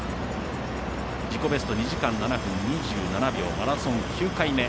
自己ベスト２時間７分２７秒マラソン９回目。